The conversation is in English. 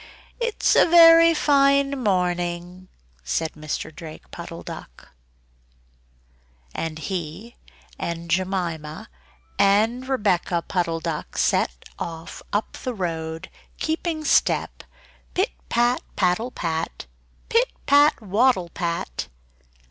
"It's a very fine morning!" said Mr. Drake Puddle Duck. And he and Jemima and Rebeccah Puddle Duck set off up the road, keeping step pit pat, paddle pat! pit pat, waddle pat!